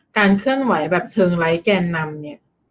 การเคลื่อนไหวแบบเชิงไร้แก่นนำ